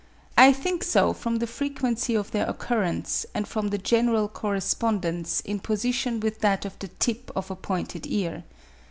I think so from the frequency of their occurrence, and from the general correspondence in position with that of the tip of a pointed ear.